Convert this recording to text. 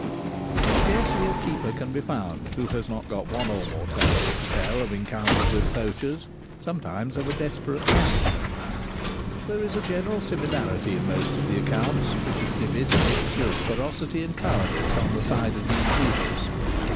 Scarcely a keeper can be found who has not got one or more tales to tell of encounters with poachers, sometimes of a desperate character. There is a geAeral similarity in most of the accounts, which ex hibit a mixture of ferocity and cowardice on the side of the intruders.